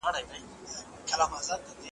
ټیم به نوې پروژه پیل کړي.